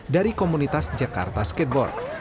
dari komunitas jakarta skateboard